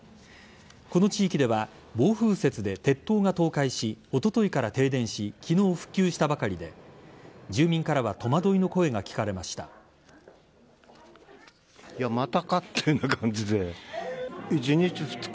この地域では暴風雪で鉄塔が倒壊しおとといから停電し昨日、復旧したばかりで住民からは戸惑いの声が聞かれました。